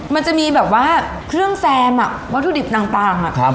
มันจะมีแบบว่าเครื่องแซมวัตถุดิบต่าง